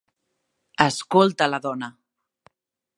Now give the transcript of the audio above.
Escolta la dona!